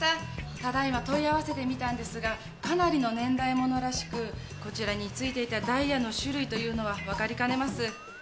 ただいま問い合わせてみたんですがかなりの年代物らしくこちらに付いていたダイヤの種類というのは分かりかねます。